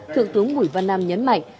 thượng tướng bùi văn nam nhấn mạnh